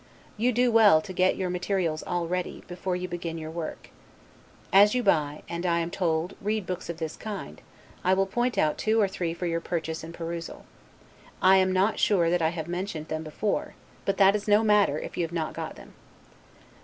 You do well to get your materials all ready, before you begin your work. As you buy and (I am told) read books of this kind, I will point out two or three for your purchase and perusal; I am not sure that I have not mentioned them before, but that is no matter, if you have not got them.